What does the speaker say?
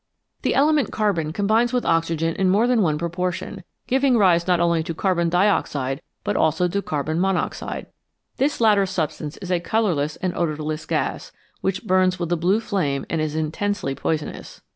The element carbon combines with oxygen in more than one proportion, giving rise not only to carbon dioxide, but also to carbon monoxide. This latter substance is a colourless and odourless gas, which burns with a blue flame and is intensely poisonous.